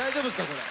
これ。